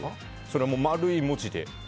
それも丸い文字で。